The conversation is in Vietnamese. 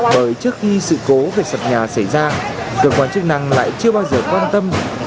bởi trước khi sự cố về sập nhà xảy ra cơ quan chức năng lại chưa bao giờ quan tâm